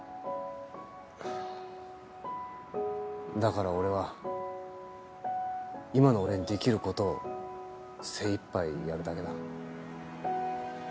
だから俺は今の俺にできる事を精いっぱいやるだけだ。